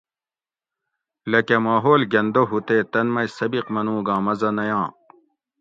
لکہ ماحول گندہ ہُو تے تن مئ سبِق منوگاں مزہ نہ یاں